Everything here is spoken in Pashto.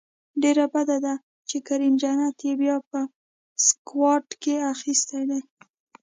ډیره بده ده چې کریم جنت یې بیا په سکواډ کې اخیستی دی